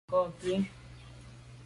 Nka’ kù.